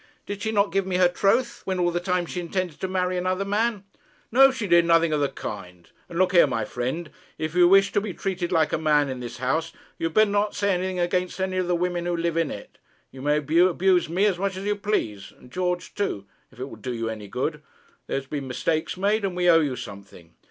Did she not give me her troth, when all the time she intended to marry another man?' 'No! She did nothing of the kind. And look here, my friend, if you wish to be treated like a man in this house, you had better not say anything against any of the women who live in it. You may abuse me as much as you please, and George too, if it will do you any good. There have been mistakes made, and we owe you something.'